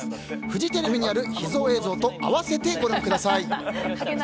フジテレビによる秘蔵映像と合わせてご覧ください。